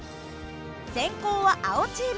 先攻は青チーム。